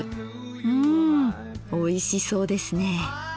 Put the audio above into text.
うんおいしそうですねえ。